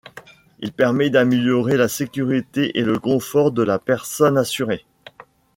Il permet d'améliorer la sécurité et le confort de la personne assurée.